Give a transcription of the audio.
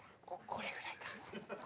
これぐらい。